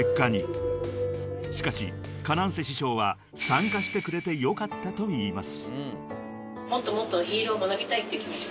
［しかしＫａｎａｎｃＥ師匠は参加してくれてよかったと言います］